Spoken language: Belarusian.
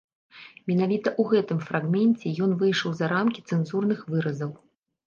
Менавіта ў гэтым фрагменце ён выйшаў за рамкі цэнзурных выразаў.